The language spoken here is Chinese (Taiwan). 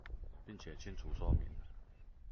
並且清楚說明